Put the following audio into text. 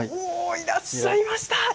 いらっしゃいました。